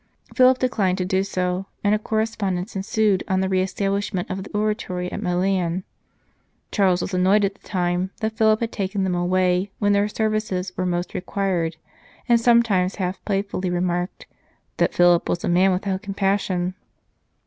Philip declined to do so, and a correspondence ensued on the re establishment of the Oratory at Milan. Charles was annoyed at the time, that Philip had taken them away when their services were most required, and sometimes half playfully 197 St. Charles Borromeo remarked " that Philip was a man without com passion."